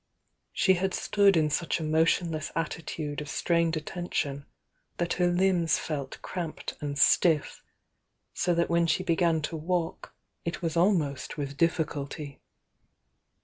She had stood in such a motionless at titude of strained attention that her limbs felt cramped and stiff, so that when she began to walk it was almost with difficulty.